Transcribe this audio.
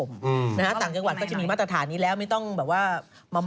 ๒๑๐บาทเราย้อปกลัว๕๒๖บาทและ๑๐บาท